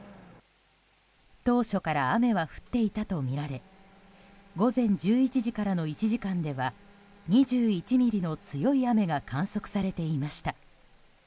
当初から雨は降っていたとみられ午前１１時からの１時間では２１ミリの強い雨が観測されていました。